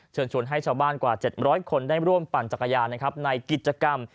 ชวนให้ชาวบ้านกว่า๗๐๐คนได้ร่วมปั่นจักรยานนะครับในกิจกรรม